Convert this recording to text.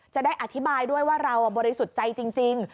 จะได้อธิบายด้วยว่าเราบริสุทธิ์ใจจริง